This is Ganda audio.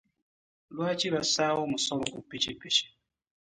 Lwaki basawo omusolo ku ppikippiki?